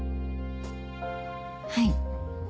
はい。